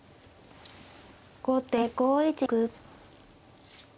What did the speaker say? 後手５一玉。